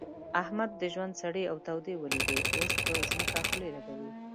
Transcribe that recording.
احمد د ژوند سړې او تودې وليدې؛ اوس پر ځمکه خولې لګوي.